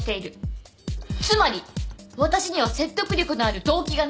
つまり私には説得力のある動機がない。